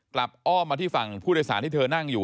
อ้อมมาที่ฝั่งผู้โดยสารที่เธอนั่งอยู่